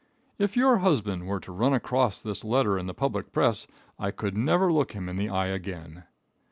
If your husband were to run across this letter in the public press I could never look him in the eye again.